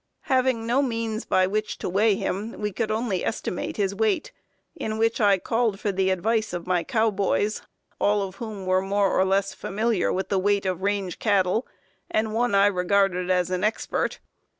Having no means by which to weigh him, we could only estimate his weight, in which I called for the advice of my cowboys, all of whom were more or less familiar with the weight of range cattle, and one I regarded as an expert.